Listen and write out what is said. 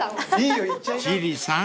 ［千里さん